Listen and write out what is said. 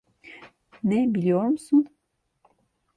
Ne biliyor musun?